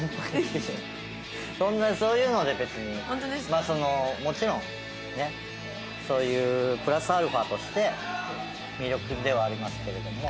まあそのもちろんねそういうプラスアルファとして魅力ではありますけれども。